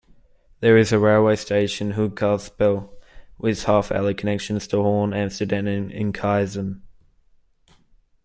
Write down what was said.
There is a railway station, Hoogkarspel, with half-hourly connections to Hoorn, Amsterdam and Enkhuizen.